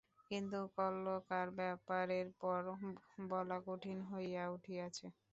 কিন্তু কল্যকার ব্যাপারের পর বলা কঠিন হইয়া উঠিয়াছে।